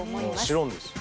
もちろんです。